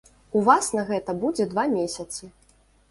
У вас на гэта будзе два месяцы.